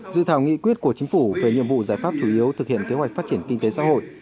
dự thảo nghị quyết của chính phủ về nhiệm vụ giải pháp chủ yếu thực hiện kế hoạch phát triển kinh tế xã hội